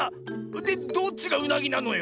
でどっちがうなぎなのよ？